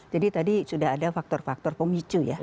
jadi tadi sudah ada faktor faktor pemicu ya